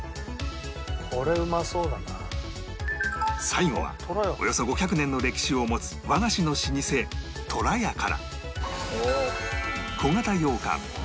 最後はおよそ５００年の歴史を持つ和菓子の老舗とらやから